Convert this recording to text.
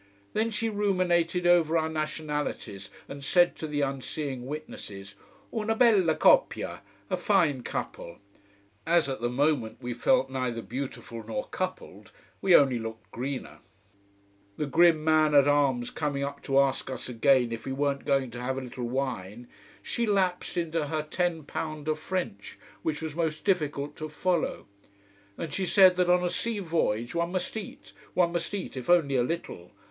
Then she ruminated over our nationalities and said, to the unseeing witnesses: Una bella coppia, a fine couple. As at the moment we felt neither beautiful nor coupled, we only looked greener. The grim man at arms coming up to ask us again if we weren't going to have a little wine, she lapsed into her ten pounder French, which was most difficult to follow. And she said that on a sea voyage one must eat, one must eat, if only a little.